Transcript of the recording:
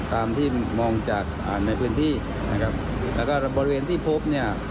ตามที่มองจากอ่าในพื้นที่นะครับแล้วก็บริเวณที่พบเนี่ย